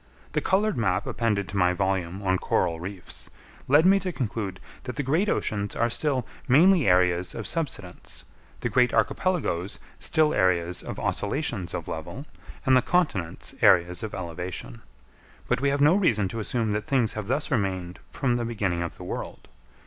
The coloured map appended to my volume on Coral Reefs, led me to conclude that the great oceans are still mainly areas of subsidence, the great archipelagoes still areas of oscillations of level, and the continents areas of elevation. But we have no reason to assume that things have thus remained from the beginning of the world.